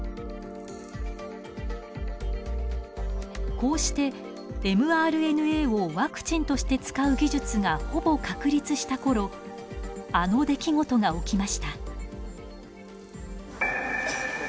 こうしてｍＲＮＡをワクチンとして使う技術がほぼ確立したころあの出来事が起きました。